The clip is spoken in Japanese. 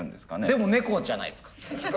でも猫じゃないですか。